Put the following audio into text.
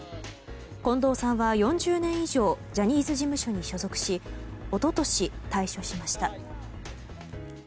近藤さんは４０年以上ジャニーズ事務所に所属し一昨年、退所しました。